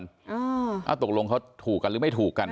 อ่าตกลงเขาถูกกันหรือไม่ถูกกัน